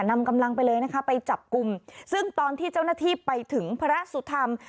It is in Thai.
นำกำลังไปเลยนะคะไปจับกลุ่มซึ่งตอนที่เจ้าหน้าที่ไปถึงพระสุธรรม